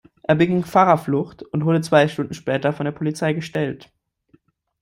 Er beging Fahrerflucht und wurde zwei Stunden später von der Polizei gestellt.